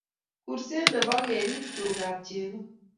kurset nebo keriib tugab cheko